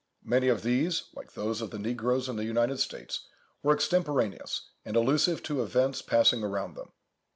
Many of these, like those of the negroes in the United States, were extemporaneous, and allusive to events passing around them.